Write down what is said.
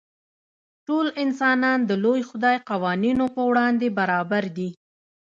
ټول انسانان د لوی خدای قوانینو په وړاندې برابر دي.